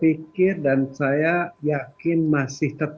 pikir dan saya yakin masih tetap